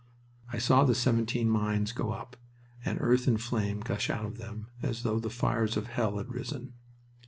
I saw the seventeen mines go up, and earth and flame gush out of them as though the fires of hell had risen.